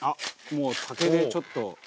「もう竹でちょっと」